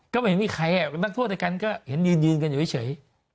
ก็ไม่เห็นมีใครเป็นนักโทษด้วยกันก็เห็นยืนกันอยู่เฉย